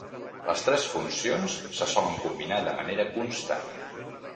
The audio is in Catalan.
Les tres funcions se solen combinar de manera constant.